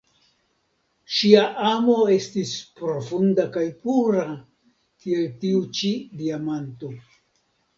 Ŝia amo estis profunda kaj pura, kiel tiu ĉi diamanto.